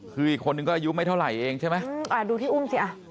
คืออีกคนนึงก็อายุไม่เท่าไหร่เองใช่ไหมดูที่อุ้มสิอ่ะ